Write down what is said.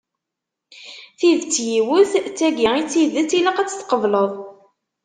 Tidet yiwet, d tagi i d tidet ilaq ad tt-tqebleḍ.